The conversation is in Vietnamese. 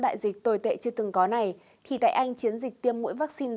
đại dịch tồi tệ chưa từng có này thì tại anh chiến dịch tiêm mũi vaccine